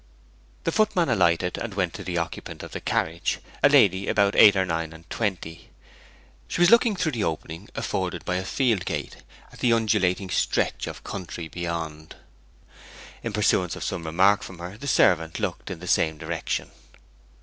The footman alighted, and went to the occupant of the carriage, a lady about eight or nine and twenty. She was looking through the opening afforded by a field gate at the undulating stretch of country beyond. In pursuance of some remark from her the servant looked in the same direction.